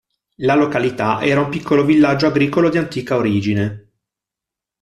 La località era un piccolo villaggio agricolo di antica origine.